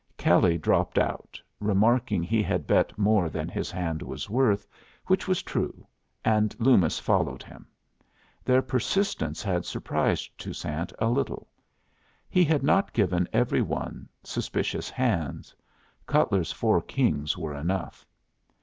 Kelley dropped out, remarking he had bet more than his hand was worth, which was true, and Loomis followed him. Their persistence had surprised Toussaint a little. He had not given every one suspicious hands: Cutler's four kings were enough.